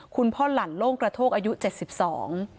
คุณพ่อหลั่นโล่งกระโทกอายุเจ็ดสิบสอง